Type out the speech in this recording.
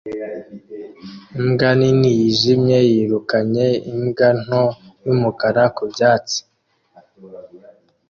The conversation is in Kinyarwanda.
Imbwa nini yijimye yirukanye imbwa ntoya yumukara ku byatsi